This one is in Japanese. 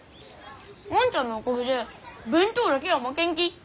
万ちゃんのおかげで弁当だけは負けんき。